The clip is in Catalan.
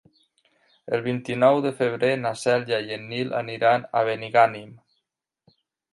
El vint-i-nou de febrer na Cèlia i en Nil aniran a Benigànim.